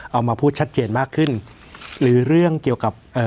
เอามาพูดชัดเจนมากขึ้นหรือเรื่องเกี่ยวกับเอ่อ